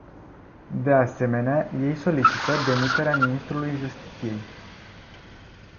De asemenea ei solicită demiterea ministrului justiției.